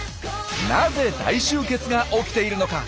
なぜ大集結が起きているのか。